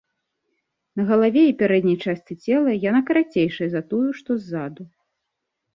На галаве і пярэдняй частцы цела яна карацейшая за тую, што ззаду.